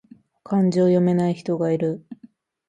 漢字を読めない人がいる